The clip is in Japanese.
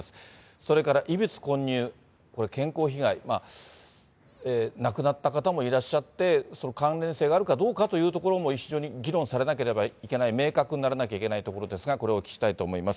それから異物混入、これ、健康被害、亡くなった方もいらっしゃって、関連性があるかどうかというところも非常に議論されなければいけない、明確にならなきゃいけないところですが、これをお聞きしたいと思います。